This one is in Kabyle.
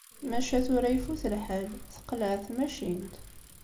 Maca tura ifut lḥal. Teqleɛ tmacint.